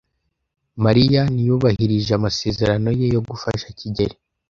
Mariya ntiyubahirije amasezerano ye yo gufasha kigeli.